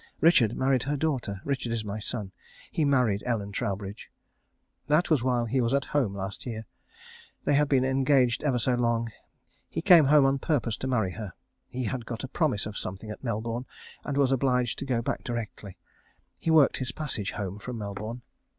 Richard married her daughter. Richard is my son. He married Ellen Troubridge. That was while he was at home last year. They had been engaged ever so long. He came home on purpose to marry her. He had got a promise of something at Melbourne, and was obliged to go back directly. He worked his passage home from Melbourne.